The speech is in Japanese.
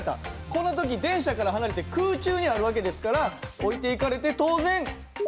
この時電車から離れて空中にある訳ですから置いていかれて当然後ろに落ちると。